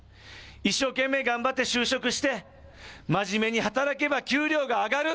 一生懸命頑張って就職して、まじめに働けば給料が上がる。